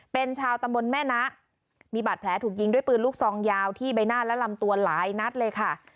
เป็นชาวตำบลแม่นะมีบาดแผลถูกยิงด้วยปืนลูกซองยาวที่ใบหน้าและลำตัวหลายนัดเลยค่ะ